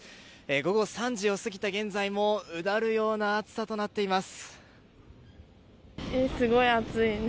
午後３時を過ぎた現在もうだるような暑さとなっています。